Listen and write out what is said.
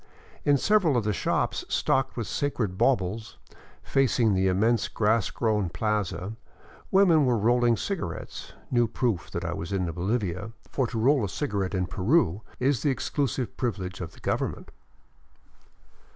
In several of the shops stocked with sacred baubles, facing the immense grass grown plaza, women were rolling cigarettes, new proof that I was in Bolivia, for to roll a cigarette in Peru is the exclusive privilege of the government.